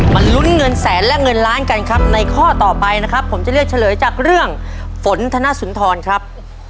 ลุ้นเงินแสนและเงินล้านกันครับในข้อต่อไปนะครับผมจะเลือกเฉลยจากเรื่องฝนธนสุนทรครับ